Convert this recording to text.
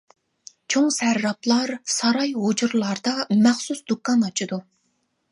چوڭ سەرراپلار ساراي-ھۇجرىلاردا مەخسۇس دۇكان ئاچىدۇ.